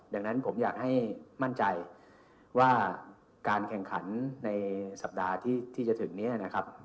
ดังนั้นผมอยากให้มั่นใจว่าการแข่งขันในสัปดาห์ที่จะถึงนี้นะครับ